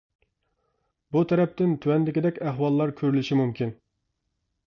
بۇ تەرەپتىن تۆۋەندىكىدەك ئەھۋاللار كۆرۈلۈشى مۇمكىن.